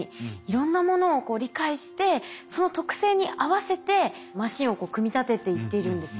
いろんなものを理解してその特性に合わせてマシンを組み立てていってるんですね。